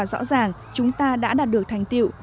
rõ ràng chúng ta đã đạt được thành tiệu